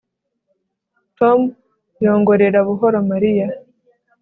Tom yongorera buhoro Mariya